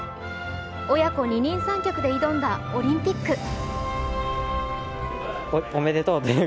親子二人三脚で挑んだオリンピック。